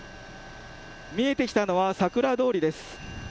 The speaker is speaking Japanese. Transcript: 見えてきたのは、さくら通りです。